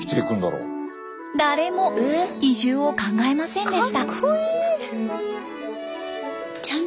誰も移住を考えませんでした。